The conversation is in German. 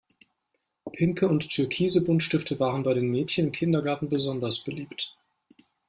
Pinke und türkise Buntstifte waren bei den Mädchen im Kindergarten besonders beliebt.